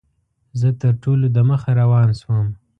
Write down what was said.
زه تر ټولو دمخه روان شوم.